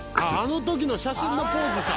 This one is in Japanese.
「あの時の写真のポーズか」